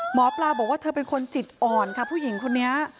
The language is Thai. หมอปลาบอกว่าเธอเป็นคนจิตอ่อนค่ะผู้หญิงคนนี้